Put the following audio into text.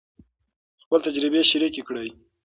خپلې تجربې شریکې کړئ.